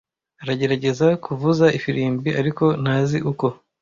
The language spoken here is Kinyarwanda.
Aragerageza kuvuza ifirimbi, ariko ntazi uko.